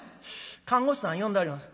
「看護師さん呼んではります。